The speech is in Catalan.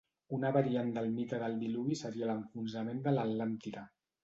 Una variant del mite del diluvi seria l'enfonsament de l'Atlàntida.